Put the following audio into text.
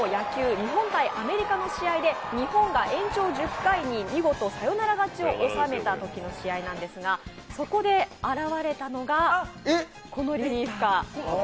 日本×アメリカの試合で日本が延長１０回に見事サヨナラ勝ちを収めたときの試合なんですがそこで現れたのがこのリリーフカー。